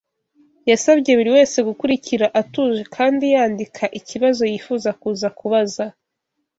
Yasabye buri wese gukurikira atuje kandi yandika ikibazo yifuza kuza kubaza